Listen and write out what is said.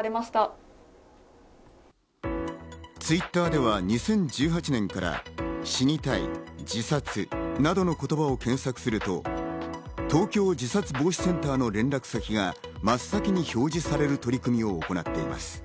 Ｔｗｉｔｔｅｒでは２０１８年から「死にたい」「自殺」などの言葉を検索すると東京自殺防止センターの連絡先が真っ先に表示される取り組みを行っています。